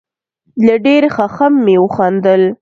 له ډېر خښم مې وخندل.